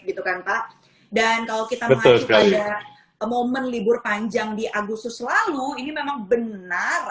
gitu kan pak dan kalau kita mengacu pada momen libur panjang di agustus lalu ini memang benar